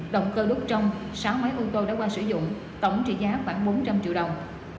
động cơ đúc trong sáu máy ô tô đã qua sử dụng tổng trị giá khoảng bốn trăm linh triệu đồng